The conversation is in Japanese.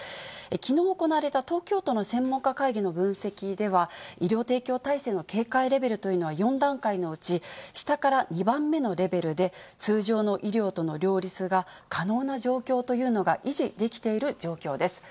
きのう行われた東京都の専門家会議の分析では、医療提供体制の警戒レベルというのは、４段階のうち下から２番目のレベルで、通常の医療との両立が可能な状況というのが維持できている状況です。